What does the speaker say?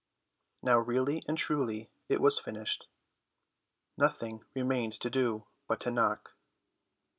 Now really and truly it was finished. Nothing remained to do but to knock.